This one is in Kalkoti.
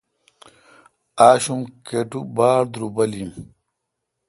آشوم کٹو باڑدروبل این۔